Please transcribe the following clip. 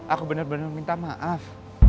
aku bener bener minta maaf